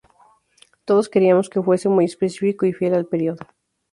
Todos queríamos que fuese muy, muy específico y fiel al período...